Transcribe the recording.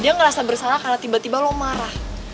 dia ngerasa bersalah karena tiba tiba lo marah